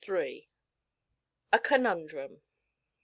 A CONUNDRUM.